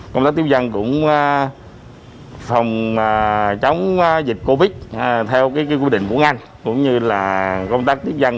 công tác tiếp dân cũng phòng chống dịch covid theo quy định của ngành cũng như là công tác tiếp dân